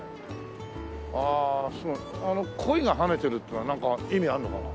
あああのコイが跳ねてるっていうのはなんか意味あるのかな？